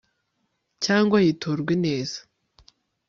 cyangwa yiturwa ineza